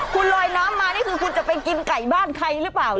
คุณลอยน้ำมานี่คือคุณจะไปกินไก่บ้านใครหรือเปล่า